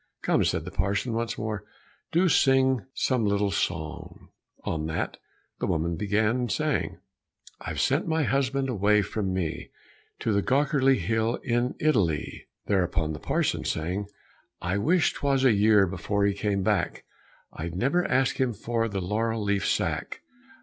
"Come," said the parson once more, "do sing some little song." On that the woman began and sang, "I've sent my husband away from me To the Göckerli hill in Italy." Thereupon the parson sang, "I wish 'twas a year before he came back, I'd never ask him for the laurel leaf sack."